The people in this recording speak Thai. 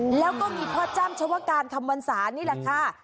แล้วก็มีพ่อจ้ำชวการคำวรรษานี่แหละค่ะ